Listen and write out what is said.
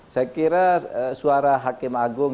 saya kira suara hakim agung